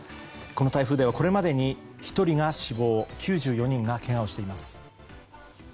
この台風ではこれまでに１人が死亡９４人がけがをしています。